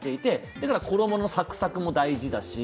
だから衣のサクサクも大事だし。